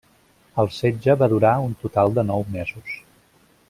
El setge va durar un total de nou mesos.